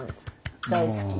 大好き。